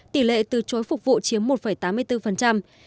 tỷ lệ từ chối phục vụ chiếm một tám mươi bốn